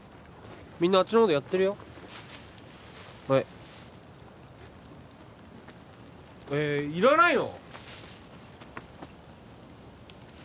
みんなあっちのほうでやってるよはいえっいらないの？